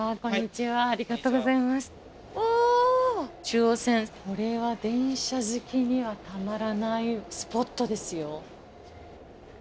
中央線これは電車好きにはたまらないスポットですよ。